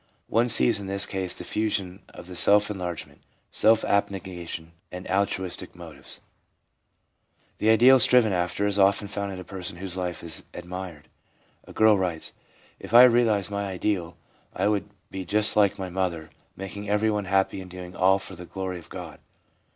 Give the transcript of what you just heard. One sees in this case the fusion of the self enlargement, self abnegation, and altruistic motives. The ideal striven after is often found in a person whose life is admired. A girl writes :' If I realised my ideal, I would be just like my mother, making everyone ADULT LIFE— MOTIVES AND PURPOSES 347 happy, and doing all for the glory of God.'